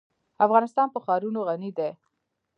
افغانستان په ښارونه غني دی.